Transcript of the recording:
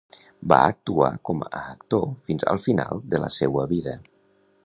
Va actuar com a actor fins al final de la seua vida.